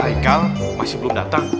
haikal masih belum datang